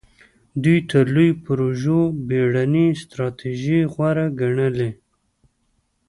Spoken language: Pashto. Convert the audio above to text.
دوی تر لویو پروژو بېړنۍ ستراتیژۍ غوره ګڼلې.